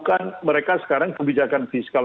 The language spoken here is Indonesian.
kan mereka sekarang kebijakan fiskal